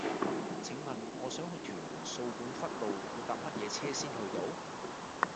請問我想去屯門掃管笏路要搭乜嘢車先去到